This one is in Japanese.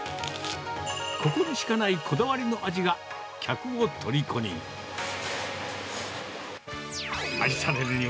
ここにしかないこだわりの味が、客をとりこに。